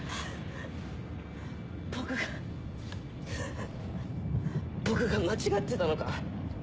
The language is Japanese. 僕が僕が間違ってたのか。